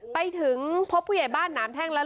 ไปถึงพบผู้ใหญ่บ้านหนามแท่งแล้ว